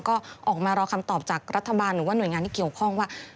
ก็ออกมารอคำตอบจากรัฐบาลหรือว่าหน่วยงานที่เกี่ยวข้องว่า